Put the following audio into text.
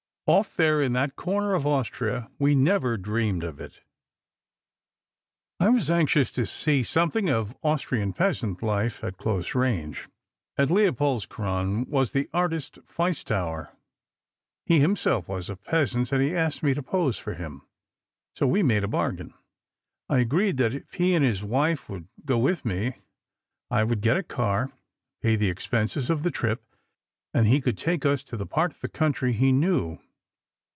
Off there in that corner of Austria, we never dreamed of it. "I was anxious to see something of Austrian peasant life at close range. At Leopoldskron was the artist Feistauer. He himself was a peasant, and he asked me to pose for him. So we made a bargain. I agreed that if he and his wife would go with me, I would get a car, pay the expenses of the trip and he could take us to the part of the country he knew.